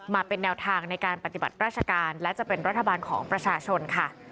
มาเป็นแนวทางในการปฏิบัติราชการและจะเป็นรัฐบาลของประชาชนค่ะ